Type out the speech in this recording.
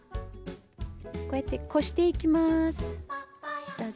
こうやってこしていきます。